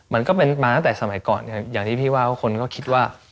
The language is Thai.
มันก็เป็นมาตั้งแต่สมัยก่อนอย่างที่พี่ว่าคนก็คิดว่า